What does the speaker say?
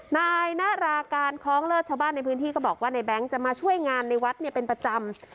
นายนาราการคล้องเลิศชาวบ้านในพื้นที่ก็บอกว่าในแง๊งจะมาช่วยงานในวัดเป็นประจำ